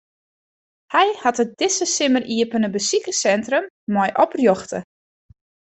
Hy hat it dizze simmer iepene besikerssintrum mei oprjochte.